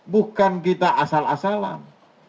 bukan kita asal asalan